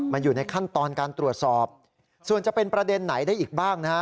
มันอยู่ในขั้นตอนการตรวจสอบส่วนจะเป็นประเด็นไหนได้อีกบ้างนะฮะ